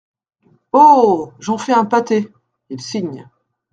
Oh ! j'ons fait un pâté … il signe.